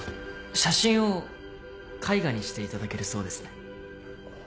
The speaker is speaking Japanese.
写真を絵画にしていただけるそうですね。